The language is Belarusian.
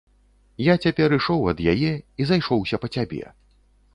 Я цяпер ішоў ад яе і зайшоўся па цябе.